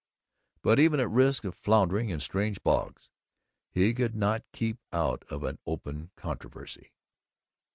But even at risk of floundering in strange bogs, he could not keep out of an open controversy.